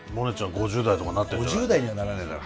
５０代にはならないだろ。